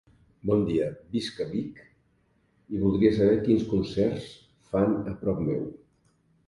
Bon dia, visc a Vic i voldria saber quins concerts fan a prop meu.